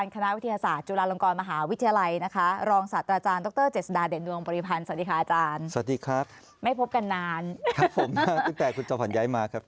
ครับผมตั้งแต่คุณเจ้าผ่านย้ายมาครับ